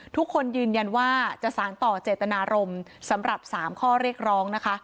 ทุกคนยืนยันว่าจะสารต่อเจตนารมณ์สำหรับ๓ข้อเรียกร้องนะคะ